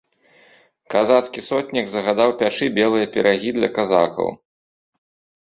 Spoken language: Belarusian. Казацкі сотнік загадаў пячы белыя пірагі для казакаў.